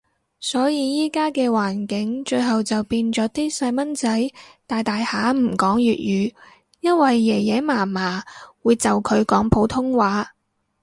所以依家嘅環境，最後就變咗啲細蚊仔大大下唔講粵語，因為爺爺嫲嫲會就佢講普通話